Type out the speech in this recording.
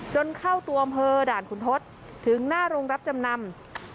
จนเข้าตัวอำเภอด่านขุนทศถึงหน้าโรงรับจำนำ